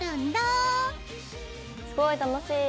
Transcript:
すごい楽しい。